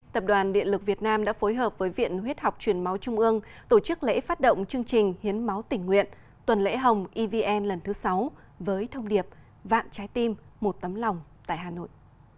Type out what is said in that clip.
tập đoàn điện lực việt nam đã phối hợp với viện huyết học truyền máu trung ương tổ chức lễ phát động chương trình hiến máu tỉnh nguyện tuần lễ hồng evn lần thứ sáu với thông điệp vạn trái tim một tấm lòng tại hà nội